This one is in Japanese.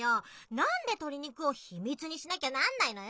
なんでとりにくを秘密にしなきゃなんないのよ。